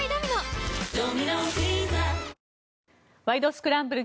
スクランブル」